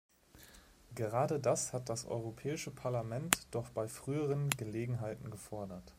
Gerade das hat das Europäische Parlament doch bei früheren Gelegenheiten gefordert.